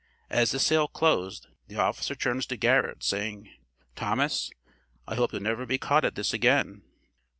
As the sale closed, the officer turns to Garrett, saying: 'Thomas, I hope you'll never be caught at this again.'